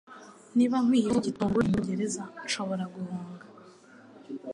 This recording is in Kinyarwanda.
Niba nkwiye kuvugwa gitunguranye mucyongereza nshobora guhunga